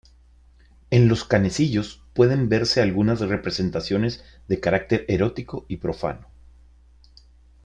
En los canecillos pueden verse algunas representaciones de carácter erótico y profano.